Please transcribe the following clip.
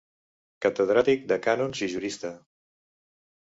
Catedràtic de cànons i jurista.